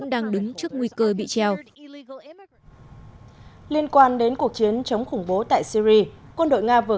đang đứng trước nguy cơ bị treo liên quan đến cuộc chiến chống khủng bố tại syri quân đội nga vừa